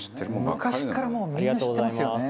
昔からもうみんな知ってますよね。